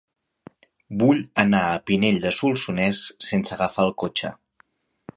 Vull anar a Pinell de Solsonès sense agafar el cotxe.